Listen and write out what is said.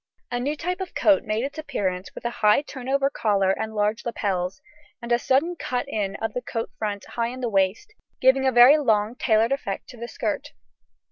A new type of coat made its appearance with a high turn over collar and large lapels, and a sudden cut in of the coat front high in the waist, giving a very long tailed effect to the skirt.